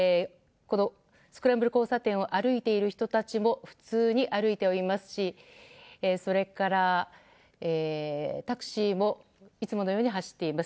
スクランブル交差点を歩いている人たちも普通に歩いていますしそれからタクシーもいつものように走っています。